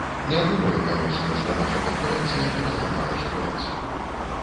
Не думаю, канешне, што наша канферэнцыя пераламала сітуацыю.